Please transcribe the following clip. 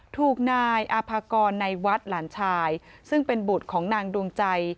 ถูกนายอาภากรในวัดหลานชายซึ่งเป็นบุตรของนางดวงใจ